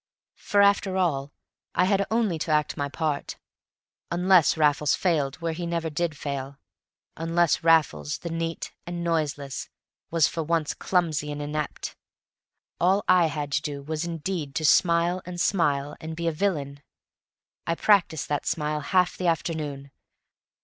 For, after all, I had only to act my part; unless Raffles failed where he never did fail, unless Raffles the neat and noiseless was for once clumsy and inept, all I had to do was indeed to "smile and smile and be a villain." I practiced that smile half the afternoon.